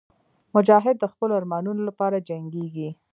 مجاهد د خپلو ارمانونو لپاره جنګېږي.